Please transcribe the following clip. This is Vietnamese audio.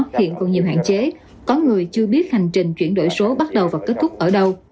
hiện còn nhiều hạn chế có người chưa biết hành trình chuyển đổi số bắt đầu và kết thúc ở đâu